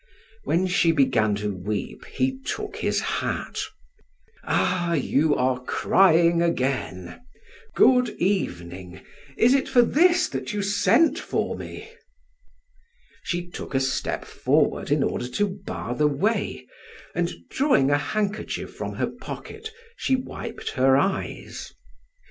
When she began to weep, he took his hat: "Ah, you are crying again! Good evening! Is it for this that you sent for me?" She took a step forward in order to bar the way, and drawing a handkerchief from her pocket she wiped her eyes.